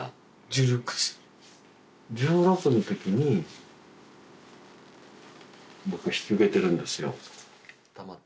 １６っす１６の時に僕引き受けてるんですよ